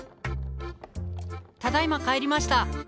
ただいま帰りました。